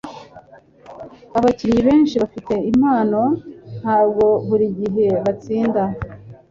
Abakinnyi benshi bafite impano ntabwo buri gihe batsinda.